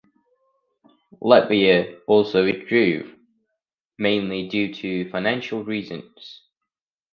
Latvia also withdrew, mainly due to financial reasons.